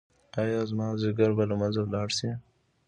ایا زما ځیګر به له منځه لاړ شي؟